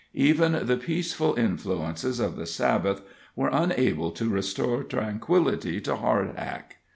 Even the peaceful influences of the Sabbath were unable to restore tranquillity to Hardhack.